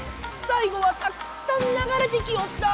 さい後はたくさんながれてきおった。